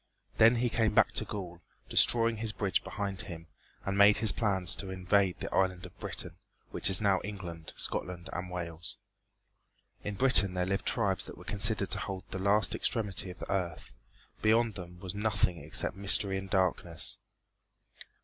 Then he came back to Gaul, destroying his bridge behind him; and made his plans to invade the island of Britain, which is now England, Scotland and Wales. In Britain there lived tribes that were considered to hold the last extremity of the earth. Beyond them was nothing except mystery and darkness.